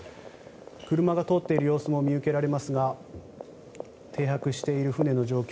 車が通っている様子も見受けられますが停泊している船の状況